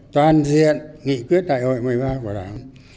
toàn diện nghị quyết đại hội một mươi ba của đảng